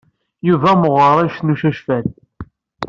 Yuba meɣɣer anect n ucacfal.